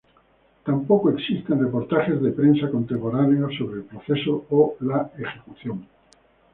Tampoco existen reportajes de prensa contemporáneos sobre el proceso o la ejecución.